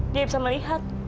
dia bisa melihat